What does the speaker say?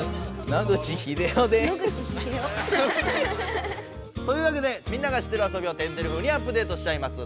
野口英世です！というわけでみんなが知ってる遊びを天てれ風にアップデートしちゃいます。